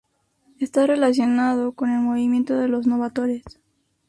Está relacionado con el movimiento de los novatores.